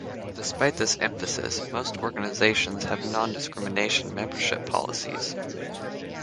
Despite this emphasis, most organizations have non-discrimination membership policies.